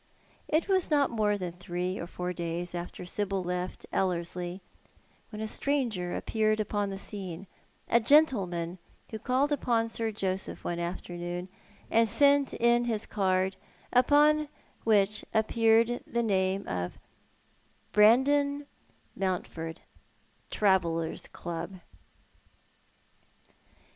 It was not more than three or four days after Sibyl left Ellerslie, when a stranger appeared upon the scene; a gentle man who called upon Sir Joseph one afternoon, and sent in his card, upon which appeared the name of Brandon Mountford, Travellers' Club.